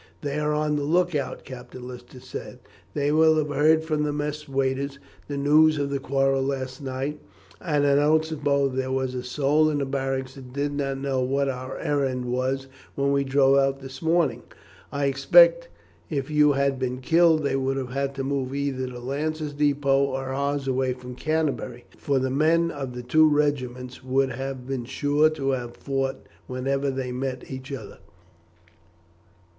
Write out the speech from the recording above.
"They are on the look out," Captain Lister said. "They will have heard from the mess waiters the news of the quarrel last night, and I don't suppose there was a soul in barracks that did not know what our errand was when we drove out this morning. I expect if you had been killed they would have had to move either the Lancers' depôt or ours away from Canterbury, for the men of the two regiments would have been sure to have fought whenever they met each other."